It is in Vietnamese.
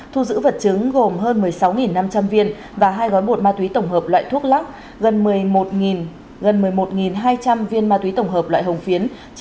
thu giữ vật chứng gồm hơn một mươi sáu năm trăm linh viên và hai gói bột ma túy tổng hợp loại thuốc lắc gần một mươi một hai trăm linh viên ma túy tổng hợp loại hồng phiến